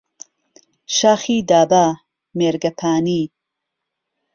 شاخی دابه -- مێرگهپانی